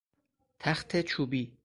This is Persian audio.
تخت چوبی